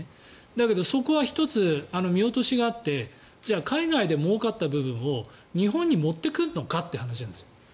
だけどそこは１つ見落としがあってじゃあ、海外でもうかった部分を日本に持ってくるのかという話なんですよ。